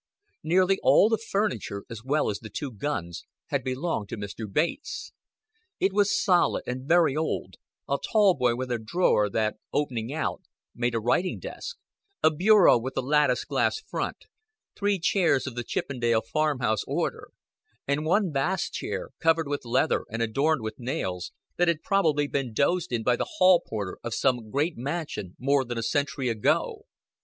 Nearly all the furniture, as well as the two guns, had belonged to Mr. Bates. It was solid, and very old a tall boy with a drawer that, opening out, made a writing desk; a bureau with a latticed glass front; three chairs of the Chippendale farmhouse order; and one vast chair, covered with leather and adorned with nails, that had probably been dozed in by the hall porter of some great mansion more than a century ago.